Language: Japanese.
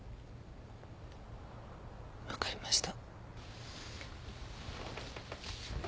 分かりました。